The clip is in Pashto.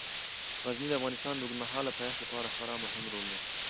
غزني د افغانستان د اوږدمهاله پایښت لپاره خورا مهم رول لري.